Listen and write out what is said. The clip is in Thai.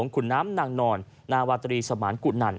ขุนน้ำนางนอนนาวาตรีสมานกุนัน